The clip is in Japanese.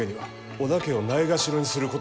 織田家をないがしろにすることでは？